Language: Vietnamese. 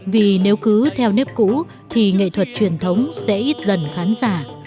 vì nếu cứ theo nếp cũ thì nghệ thuật truyền thống sẽ ít dần khán giả